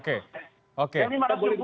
karena saya dengar belum jauh